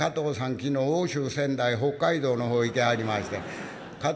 昨日奥州仙台北海道の方へ行きはりましてん」。